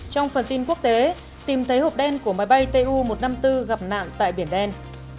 trong phần tin quốc tế tìm thấy hộp đen của máy bay tu một trăm năm mươi bốn gặp nạn tại biển đen